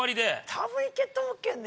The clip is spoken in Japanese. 多分行けっと思っけんね。